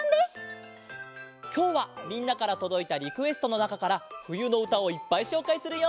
きょうはみんなからとどいたリクエストのなかからふゆのうたをいっぱいしょうかいするよ！